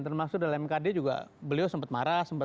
termasuk dalam mkd juga beliau sempat marah